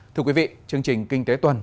thưa quý vị chương trình kinh tế tuần